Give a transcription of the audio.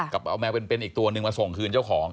กับเอาแมวเป็นอีกตัวนึงมาส่งคืนเจ้าของ